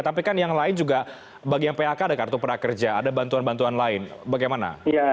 tapi kan yang lain juga bagi yang phk ada kartu prakerja ada bantuan bantuan lain bagaimana